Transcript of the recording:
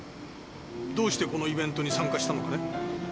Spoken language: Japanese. どうしてこのイベントに参加したのかね？